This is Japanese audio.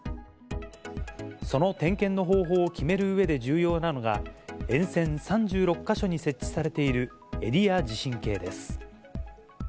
その点検の方法を決めるうえで重要なのが、沿線３６か所に設置されているエリア地震計です。